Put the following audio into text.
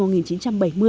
tiểu đoàn bốn trăm linh bốn